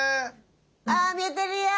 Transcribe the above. ああ見えてるよ！